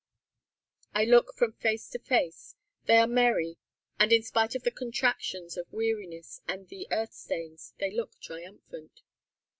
I look from face to face. They are merry, and in spite of the contractions of weariness, and the earth stains, they look triumphant.